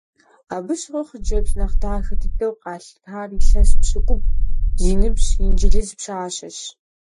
Абы щыгъуэ хъыджэбз нэхъ дахэ дыдэу къалъытар илъэс пщыкӏубгъу зи ныбжь инджылыз пщащэщ.